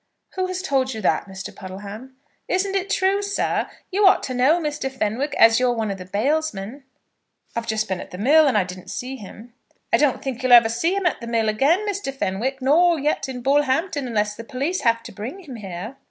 "Who has told you that, Mr. Puddleham?" "Isn't it true, sir? You ought to know, Mr. Fenwick, as you're one of the bailsmen." "I've just been at the mill, and I didn't see him." "I don't think you'll ever see him at the mill again, Mr. Fenwick; nor yet in Bullhampton, unless the police have to bring him here."